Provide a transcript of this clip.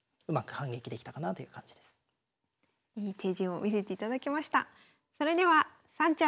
いい手順を見せていただきました。